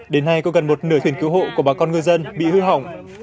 đến nay có gần một nửa thuyền cứu hộ của bà con ngư dân bị hư hỏng